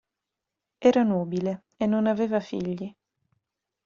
Era nubile e non aveva figli.